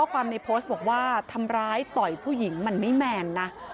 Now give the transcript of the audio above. ความในโพสต์บอกว่าทำร้ายต่อยผู้หญิงมันไม่แมนนะ